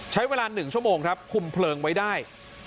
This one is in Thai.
ใช้เวลา๑ชั่วโมงครับคุมเพลิงไว้ได้